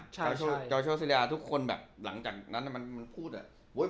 จ่อยโชฟ์ซิริยาทุกคนแบบหลังจากนั้นมันพูดแบบ